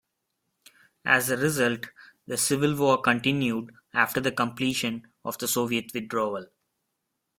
As a result, the civil war continued after the completion of the Soviet withdrawal.